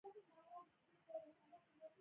ولایتونه خپل اقتصادي واک لري.